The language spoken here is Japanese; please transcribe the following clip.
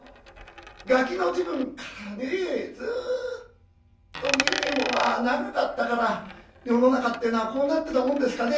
がきの時分からねずっと見えねえ方が長かったから世の中ってえのはこうなってたもんですかね。